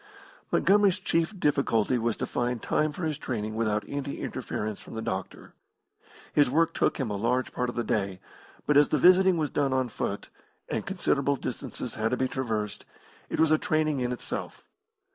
Montgomery's chief difficulty was to find time for his training without any interference from the doctor. His work took him a large part of the day, but as the visiting was done on foot, and considerable distances had to be traversed, it was a training in itself.